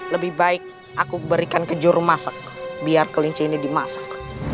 lebih baik aku berikan ke juru masak biar kelinci ini dimasak